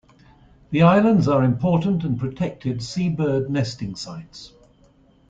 The islands are important and protected seabird nesting sites.